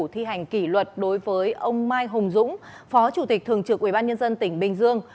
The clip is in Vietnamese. thi hành kỷ luật đối với ông mai hùng dũng phó chủ tịch thường trực ubnd tỉnh bình dương